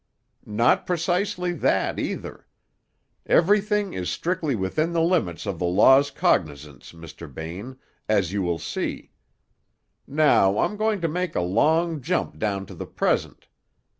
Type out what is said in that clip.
"Not precisely that, either. Everything is strictly within the limits of the law's cognizance, Mr. Bain, as you will see. Now I'm going to make a long jump down to the present.